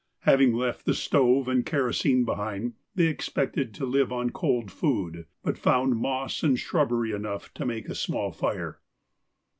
Having left the stove and kerosene behind, they expected to have to live on cold food, but found moss and shrubbery enough to make a small fire.